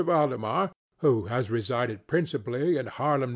Valdemar, who has resided principally at Harlem, N.